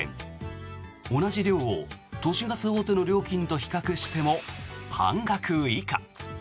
同じ量を都市ガス大手の料金と比較しても半額以下。